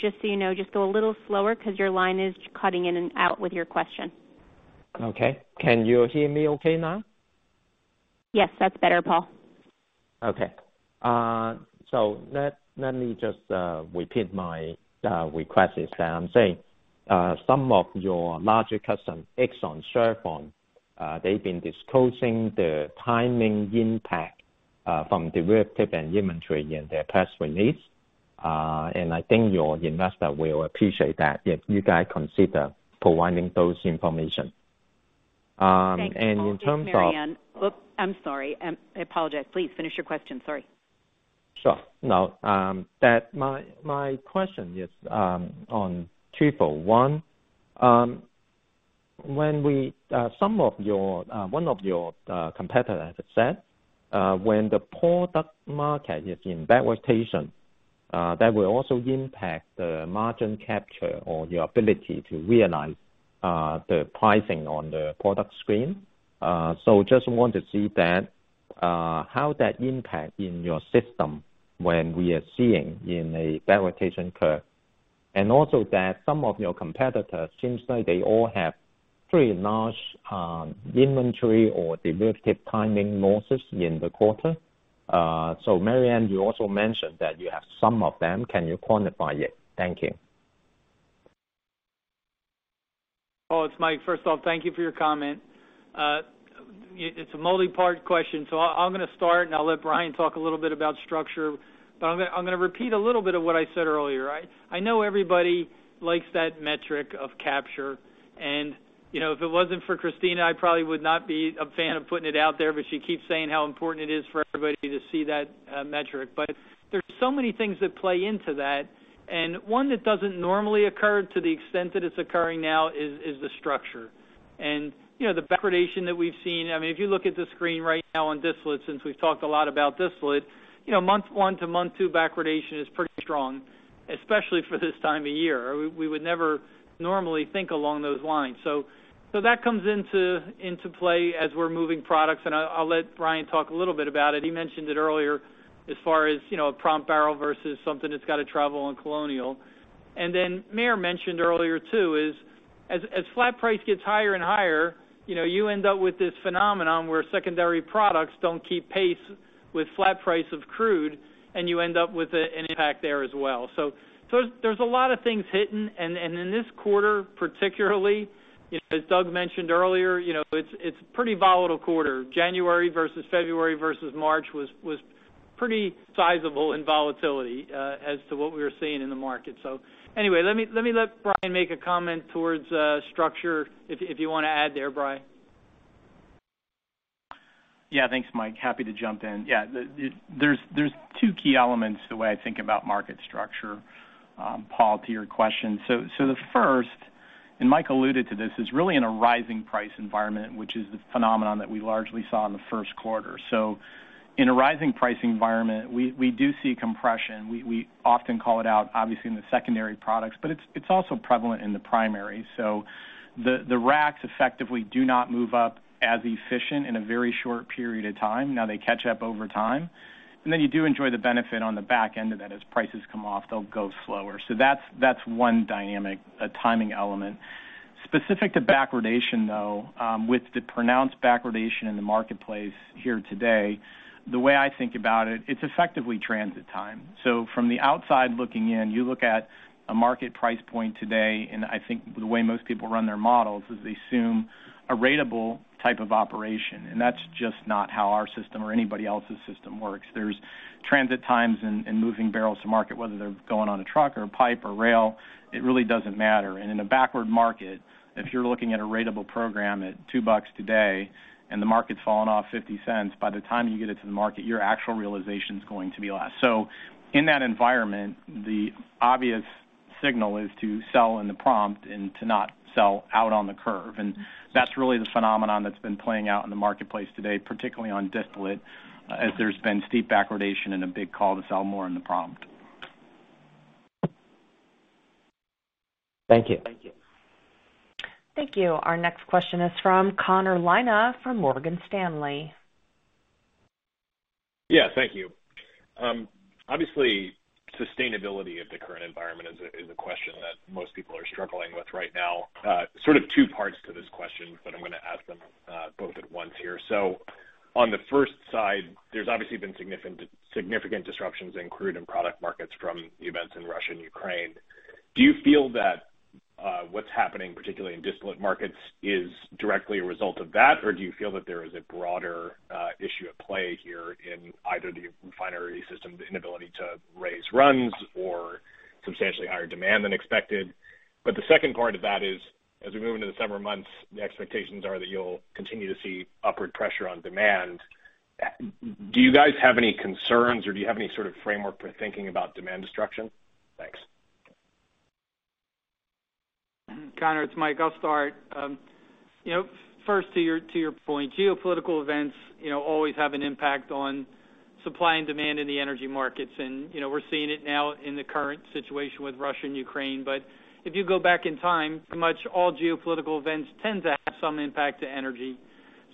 Just so you know, just go a little slower 'cause your line is cutting in and out with your question. Okay. Can you hear me okay now? Yes, that's better, Paul. Let me just repeat my request. Say, some of your larger customers ExxonMobil, they've been disclosing the timing impact from derivative and inventory in their press release. I think your investor will appreciate that if you guys consider providing those information. In terms of- Thanks, Paul. It's Maryann Mannen. Oops, I'm sorry. I apologize. Please finish your question. Sorry. Sure. Now, my question is on triple one. When one of your competitor has said, when the product market is in backwardation, that will also impact the margin capture or your ability to realize the pricing on the product screen. So just want to see that, how that impact in your system when we are seeing in a backwardation curve. Also that some of your competitors seems like they all have pretty large inventory or derivative timing losses in the quarter. So Maryann, you also mentioned that you have some of them. Can you quantify it? Thank you. Oh, it's Mike. First of all, thank you for your comment. It's a multi-part question, so I'm gonna start, and I'll let Brian talk a little bit about structure. I'm gonna repeat a little bit of what I said earlier, right? I know everybody likes that metric of capture. You know, if it wasn't for Kristina, I probably would not be a fan of putting it out there, but she keeps saying how important it is for everybody to see that metric. There's so many things that play into that. One that doesn't normally occur to the extent that it's occurring now is the structure. You know, the backwardation that we've seen. I mean, if you look at the screen right now on distillate, since we've talked a lot about distillate, you know, month one to month two backwardation is pretty strong, especially for this time of year. We would never normally think along those lines. That comes into play as we're moving products, and I'll let Brian talk a little bit about it. He mentioned it earlier as far as, you know, a prompt barrel versus something that's got to travel on Colonial. Then Mary mentioned earlier, too, as flat price gets higher and higher, you know, you end up with this phenomenon where secondary products don't keep pace with flat price of crude, and you end up with an impact there as well. There's a lot of things hitting. In this quarter, particularly, as Doug mentioned earlier, you know, it's a pretty volatile quarter. January versus February versus March was pretty sizable in volatility as to what we were seeing in the market. Anyway, let me let Brian make a comment towards structure if you wanna add there, Brian. Yeah. Thanks, Mike. Happy to jump in. Yeah. There's two key elements the way I think about market structure, Paul, to your question. So the first, and Mike alluded to this, is really in a rising price environment, which is the phenomenon that we largely saw in the first quarter. So in a rising pricing environment, we do see compression. We often call it out obviously in the secondary products, but it's also prevalent in the primary. So the racks effectively do not move up as efficiently in a very short period of time. Now, they catch up over time. Then you do enjoy the benefit on the back end of that. As prices come off, they'll go slower. So that's one dynamic, a timing element. Specific to backwardation, though, with the pronounced backwardation in the marketplace here today, the way I think about it's effectively transit time. From the outside looking in, you look at a market price point today, and I think the way most people run their models is they assume a ratable type of operation, and that's just not how our system or anybody else's system works. There's transit times and moving barrels to market, whether they're going on a truck or a pipe or rail, it really doesn't matter. In a backward market, if you're looking at a ratable program at $2 today and the market's fallen off $0.50, by the time you get it to the market, your actual realization is going to be less. In that environment, the obvious signal is to sell in the prompt and to not sell out on the curve. That's really the phenomenon that's been playing out in the marketplace today, particularly on distillate, as there's been steep backwardation and a big call to sell more in the prompt. Thank you. Thank you. Our next question is from Connor Lynagh from Morgan Stanley. Yeah, thank you. Obviously, sustainability of the current environment is a question that most people are struggling with right now. Sort of two parts to this question, but I'm gonna ask them both at once here. On the first side, there's obviously been significant disruptions in crude and product markets from the events in Russia and Ukraine. Do you feel that what's happening, particularly in distillate markets, is directly a result of that? Or do you feel that there is a broader issue at play here in either the refinery system, the inability to raise runs or substantially higher demand than expected? The second part of that is, as we move into the summer months, the expectations are that you'll continue to see upward pressure on demand. Do you guys have any concerns, or do you have any sort of framework for thinking about demand destruction? Thanks. Connor, it's Mike. I'll start. You know, first, to your point, geopolitical events, you know, always have an impact on supply and demand in the energy markets. You know, we're seeing it now in the current situation with Russia and Ukraine. If you go back in time, pretty much all geopolitical events tend to have some impact to energy.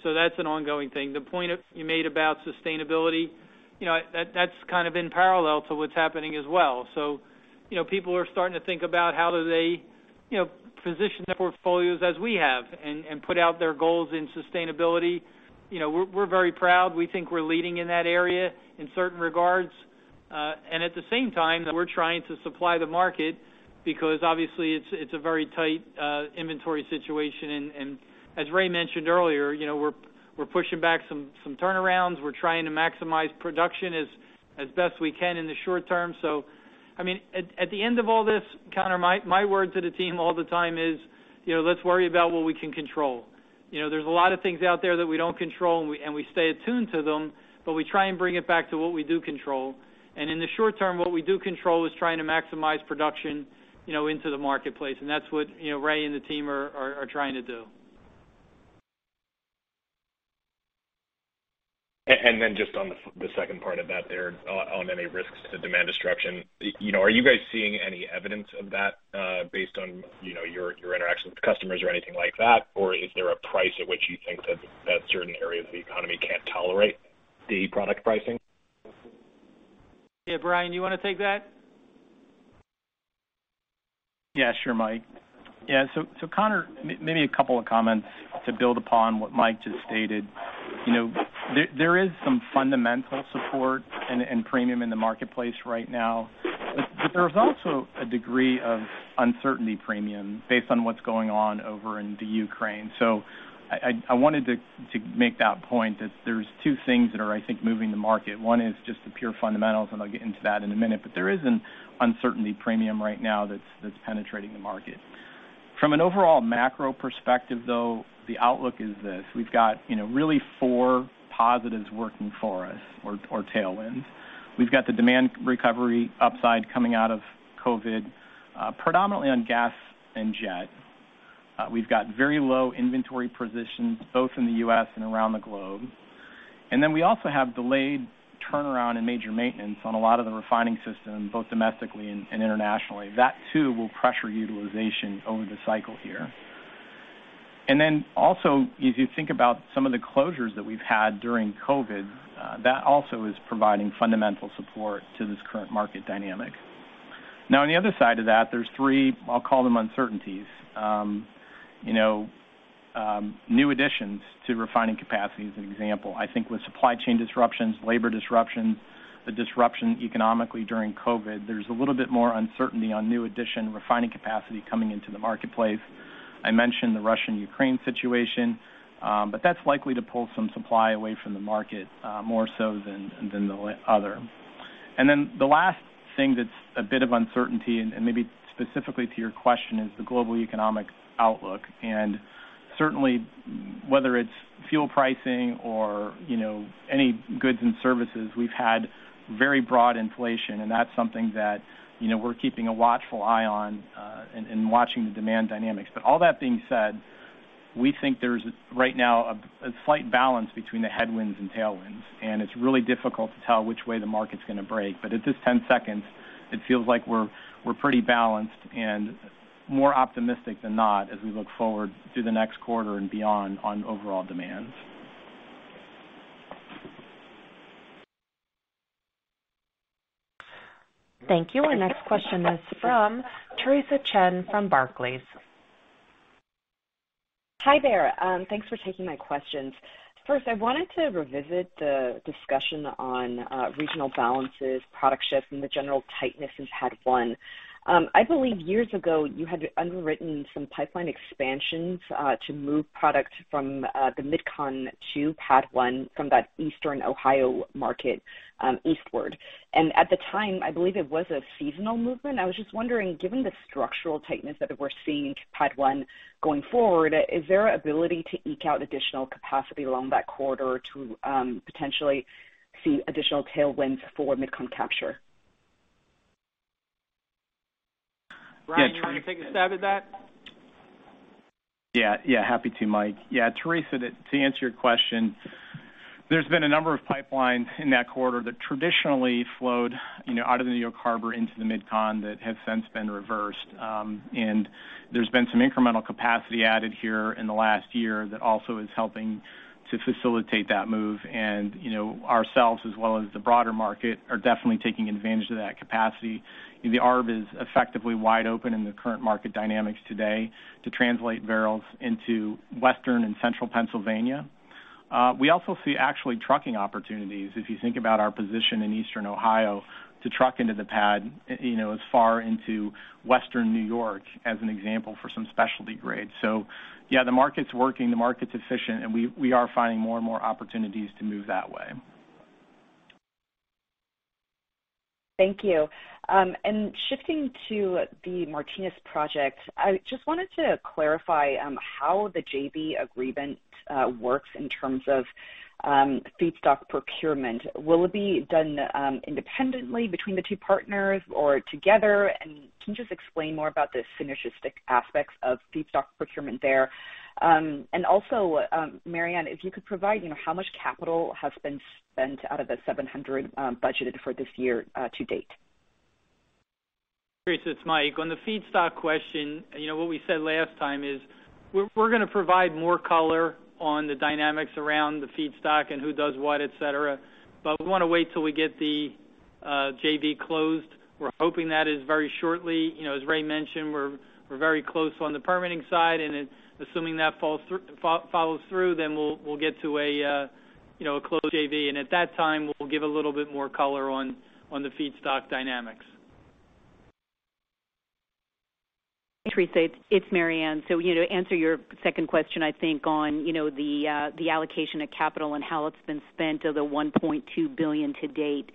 That's an ongoing thing. The point you made about sustainability, you know, that's kind of in parallel to what's happening as well. You know, people are starting to think about how do they, you know, position their portfolios as we have and put out their goals in sustainability. You know, we're very proud. We think we're leading in that area in certain regards. At the same time that we're trying to supply the market because obviously it's a very tight inventory situation. As Ray mentioned earlier, you know, we're pushing back some turnarounds. We're trying to maximize production as best we can in the short term. I mean, at the end of all this, Connor, my word to the team all the time is, you know, let's worry about what we can control. You know, there's a lot of things out there that we don't control, and we stay attuned to them, but we try and bring it back to what we do control. In the short term, what we do control is trying to maximize production, you know, into the marketplace, and that's what, you know, Ray and the team are trying to do. Just on the second part of that there, on any risks to demand destruction. You know, are you guys seeing any evidence of that, based on, you know, your interactions with customers or anything like that? Is there a price at which you think that certain areas of the economy can't tolerate the product pricing? Yeah. Brian, you wanna take that? Yeah, sure, Mike. Yeah, so Connor, maybe a couple of comments to build upon what Mike just stated. You know, there is some fundamental support and premium in the marketplace right now. But there's also a degree of uncertainty premium based on what's going on over in the Ukraine. So I wanted to make that point, that there's two things that are, I think, moving the market. One is just the pure fundamentals, and I'll get into that in a minute. But there is an uncertainty premium right now that's penetrating the market. From an overall macro perspective, though, the outlook is this: We've got really four positives working for us or tailwinds. We've got the demand recovery upside coming out of COVID, predominantly on gas and jet. We've got very low inventory positions both in the U.S. and around the globe. We also have delayed turnaround and major maintenance on a lot of the refining system, both domestically and internationally. That, too, will pressure utilization over the cycle here. As you think about some of the closures that we've had during COVID, that also is providing fundamental support to this current market dynamic. Now, on the other side of that, there's three, I'll call them uncertainties. You know, new additions to refining capacity is an example. I think with supply chain disruptions, labor disruptions, the disruption economically during COVID, there's a little bit more uncertainty on new addition refining capacity coming into the marketplace. I mentioned the Russia and Ukraine situation, but that's likely to pull some supply away from the market, more so than the other. Then the last thing that's a bit of uncertainty, maybe specifically to your question, is the global economic outlook. Certainly, whether it's fuel pricing or, you know, any goods and services, we've had very broad inflation, and that's something that, you know, we're keeping a watchful eye on, watching the demand dynamics. All that being said, we think there's, right now, a slight balance between the headwinds and tailwinds, and it's really difficult to tell which way the market's gonna break. At this ten seconds, it feels like we're pretty balanced and more optimistic than not as we look forward through the next quarter and beyond on overall demands. Thank you. Our next question is from Theresa Chen from Barclays. Hi there. Thanks for taking my questions. First, I wanted to revisit the discussion on regional balances, product shifts, and the general tightness in PADD One. I believe years ago, you had underwritten some pipeline expansions to move product from the MidCon to PADD One from that Eastern Ohio market eastward. At the time, I believe it was a seasonal movement. I was just wondering, given the structural tightness that we're seeing in PADD One going forward, is there ability to eke out additional capacity along that corridor to potentially see additional tailwinds for MidCon capture. Brian, do you want to take a stab at that? Yeah. Yeah, happy to, Mike. Yeah, Theresa, to answer your question, there's been a number of pipelines in that corridor that traditionally flowed, you know, out of New York Harbor into the MidCon that have since been reversed. There's been some incremental capacity added here in the last year that also is helping to facilitate that move. You know, ourselves, as well as the broader market, are definitely taking advantage of that capacity. The arb is effectively wide open in the current market dynamics today to transport barrels into Western and Central Pennsylvania. We also see actually trucking opportunities, if you think about our position in Eastern Ohio to truck into the PADD, you know, as far into Western New York as an example for some specialty grades. Yeah, the market's working, the market's efficient, and we are finding more and more opportunities to move that way. Thank you. Shifting to the Martinez project, I just wanted to clarify how the JV agreement works in terms of feedstock procurement. Will it be done independently between the two partners or together? Can you just explain more about the synergistic aspects of feedstock procurement there? Also, Maryann, if you could provide, you know, how much capital has been spent out of the $700 budgeted for this year to date. Theresa, it's Mike. On the feedstock question, you know, what we said last time is we're gonna provide more color on the dynamics around the feedstock and who does what, et cetera. But we wanna wait till we get the JV closed. We're hoping that is very shortly. You know, as Ray mentioned, we're very close on the permitting side, and assuming that follows through, then we'll get to a, you know, closed JV. At that time, we'll give a little bit more color on the feedstock dynamics. Theresa, it's Maryann. You know, to answer your second question, I think on, you know, the allocation of capital and how it's been spent on the $1.2 billion to date.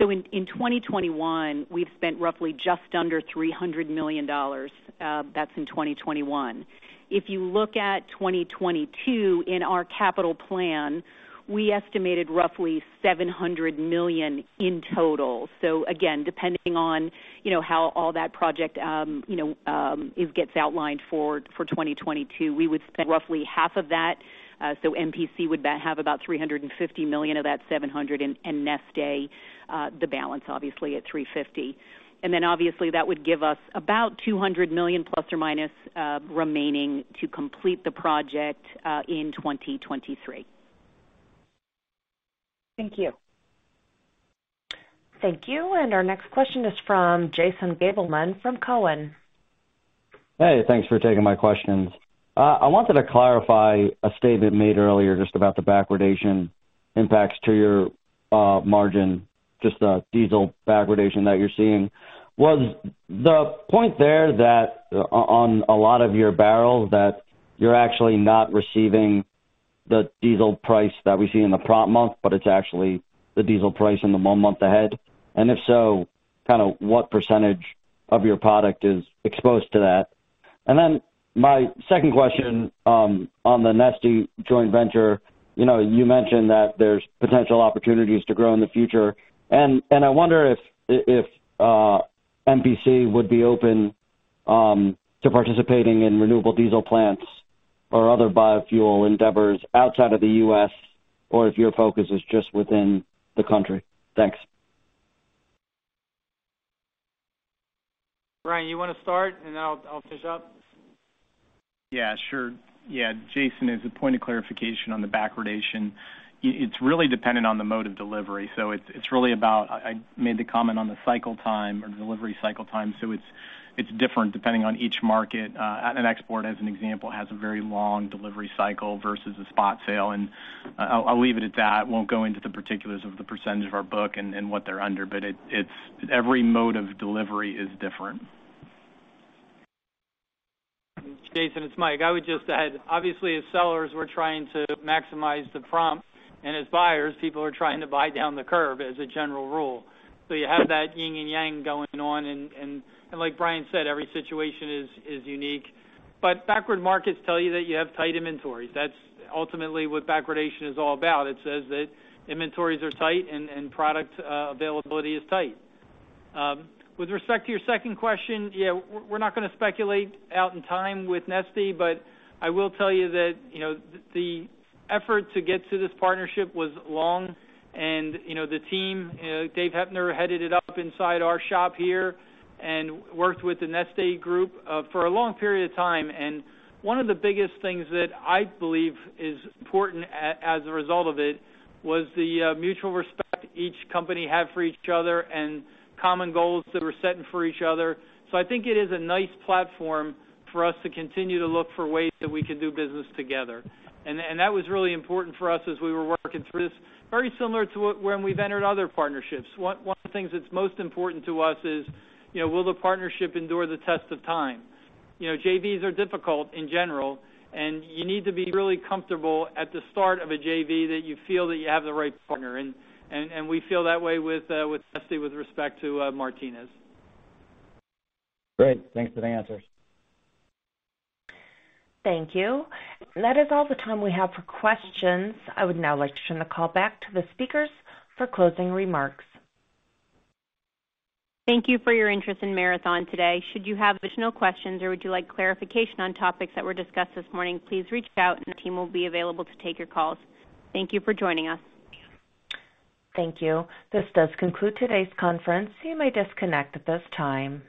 In 2021, we've spent roughly just under $300 million. That's in 2021. If you look at 2022, in our capital plan, we estimated roughly $700 million in total. Again, depending on, you know, how all that project, you know, it gets outlined for 2022, we would spend roughly half of that. MPC would have about $350 million of that $700 million, and Neste the balance obviously at $350 million. Then obviously, that would give us about $200 million ± remaining to complete the project in 2023. Thank you. Thank you. Our next question is from Jason Gabelman from Cowen. Hey, thanks for taking my questions. I wanted to clarify a statement made earlier just about the backwardation impacts to your margin, just the diesel backwardation that you're seeing. Was the point there that on a lot of your barrels that you're actually not receiving the diesel price that we see in the prompt month, but it's actually the diesel price in the one month ahead? And if so, kind of what percentage of your product is exposed to that? And then my second question, on the Neste joint venture. You know, you mentioned that there's potential opportunities to grow in the future. I wonder if MPC would be open to participating in renewable diesel plants or other biofuel endeavors outside of the U.S., or if your focus is just within the country. Thanks. Brian, you wanna start and then I'll finish up? Yeah, sure. Yeah. Jason, as a point of clarification on the backwardation, it's really dependent on the mode of delivery. It's really about I made the comment on the cycle time or delivery cycle time, it's different depending on each market. An export as an example has a very long delivery cycle versus a spot sale. I'll leave it at that. Won't go into the particulars of the percentage of our book and what they're under. It's every mode of delivery is different. Jason, it's Mike. I would just add, obviously as sellers we're trying to maximize the prompt, and as buyers, people are trying to buy down the curve as a general rule. So you have that yin and yang going on. Like Brian said, every situation is unique. Backward markets tell you that you have tight inventories. That's ultimately what backwardation is all about. It says that inventories are tight and product availability is tight. With respect to your second question, yeah, we're not gonna speculate out in time with Neste, but I will tell you that, you know, the effort to get to this partnership was long. You know, the team, David Heppner headed it up inside our shop here and worked with the Neste group for a long period of time. One of the biggest things that I believe is important as a result of it was the mutual respect each company had for each other and common goals that were setting for each other. I think it is a nice platform for us to continue to look for ways that we can do business together. That was really important for us as we were working through this, very similar to when we've entered other partnerships. One of the things that's most important to us is, you know, will the partnership endure the test of time? You know, JVs are difficult in general, and you need to be really comfortable at the start of a JV that you feel that you have the right partner. We feel that way with Neste with respect to Martinez. Great. Thanks for the answers. Thank you. That is all the time we have for questions. I would now like to turn the call back to the speakers for closing remarks. Thank you for your interest in Marathon today. Should you have additional questions or would you like clarification on topics that were discussed this morning, please reach out and the team will be available to take your calls. Thank you for joining us. Thank you. This does conclude today's conference. You may disconnect at this time.